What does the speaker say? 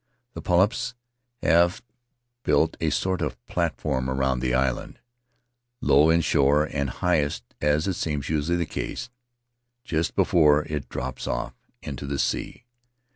The polyps have built a sort of platform around the land, low inshore and highest — as seems usually the case — just before it drops off into the sea.